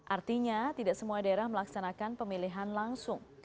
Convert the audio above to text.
artinya tidak semua daerah melaksanakan pemilihan langsung